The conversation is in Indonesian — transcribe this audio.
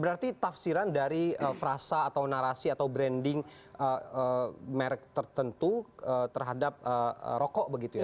berarti tafsiran dari frasa atau narasi atau branding merek tertentu terhadap rokok begitu ya